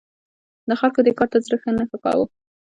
د خلکو دې کار ته زړه نه ښه کاوه.